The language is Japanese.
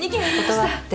断って。